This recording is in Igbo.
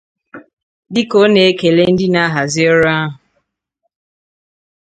Dịka ọ na-ekele ndị na-ahazi ọrụ ahụ